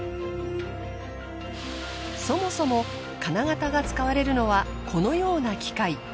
そもそも金型が使われるのはこのような機械。